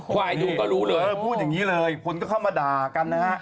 ควายดูก็รู้เลยเออพูดอย่างนี้เลยคนก็เข้ามาด่ากันนะฮะ